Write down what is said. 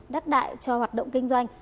đắt đại cho hoạt động kinh doanh